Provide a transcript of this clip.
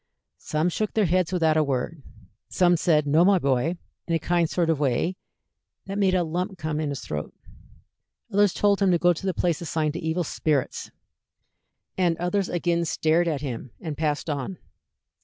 Some shook their heads without a word; some said, "No, my boy," in a kind sort of way that made a lump come in his throat; others told him to go to the place assigned to evil spirits; and others again stared at him and passed on.